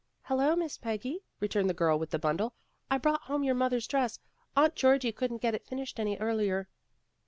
"Hello, Miss Peggy," returned the girl with the bundle. "I brought home your mother's dress. Aunt Georgie couldn't get it finished any earlier."